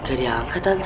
gak diangkat tante